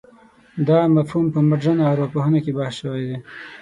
دا مفهوم په مډرنه ارواپوهنه کې بحث شوی دی.